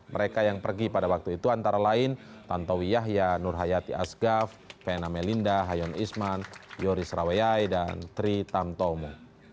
mereka yang pergi pada waktu itu antara lain tantowi yahya nur hayati asgaf fena melinda hayon isman yoris rawayai dan tri tamtomo